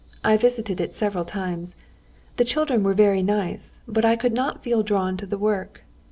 I visited it several times. The children were very nice, but I could not feel drawn to the work.